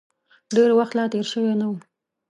ډېر وخت لا تېر شوی نه و.